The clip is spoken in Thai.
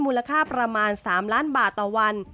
มูลค่าประมาณ๓ล้านบาทต่อวัน